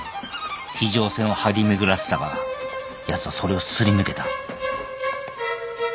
非常線を張り巡らせたがやつはそれをすり抜けた。